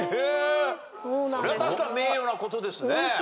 それは確かに名誉なことですね。